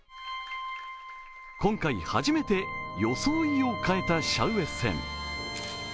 今回初めて装いを変えたシャウエッセン。